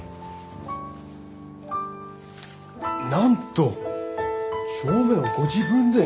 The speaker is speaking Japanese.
なんと帳面をご自分で。